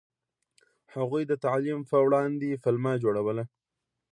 هغوی د تعلیم په وړاندې پلمه جوړوله.